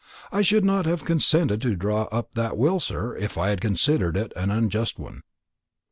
I should not have consented to draw up that will, sir, if I had considered it an unjust one."